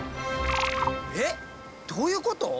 えっどういうこと？